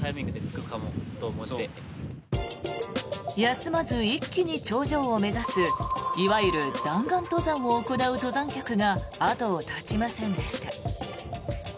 休まず一気に頂上を目指すいわゆる弾丸登山を行う登山客が後を絶ちませんでした。